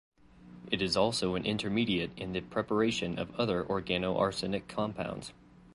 It is also an intermediate in the preparation of other organoarsenic compounds.